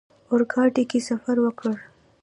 اورګاډي کې سفر وکړ.